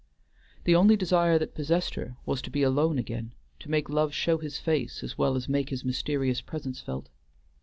The only desire that possessed her was to be alone again, to make Love show his face as well as make his mysterious presence felt.